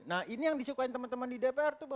nah ini yang disukai teman teman di dpr tuh